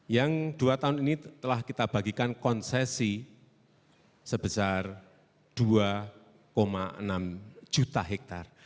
yang dua tahun ini telah kita bagikan konsesi sebesar dua enam juta hektare